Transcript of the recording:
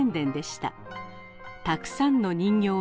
たくさんの人形を作り